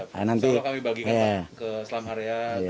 seolah kami bagikan ke selam area